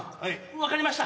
分かりました。